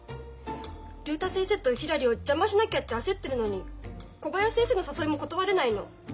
竜太先生とひらりを邪魔しなきゃって焦ってるのに小林先生の誘いも断れないの。